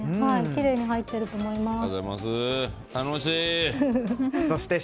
きれいに入ってると思います。